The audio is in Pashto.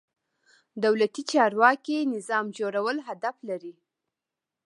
دولتي چارواکي نظام جوړول هدف لري.